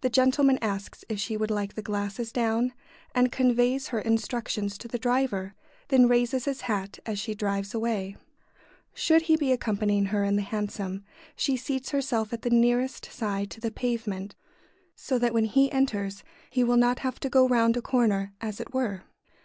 The gentleman asks if she would like the glasses down, and conveys her instructions to the driver, then raises his hat as she drives away. [Sidenote: When accompanying the lady.] Should he be accompanying her in the hansom, she seats herself at the nearest side to the pavement, so that when he enters he will not have to go round a corner, as it were.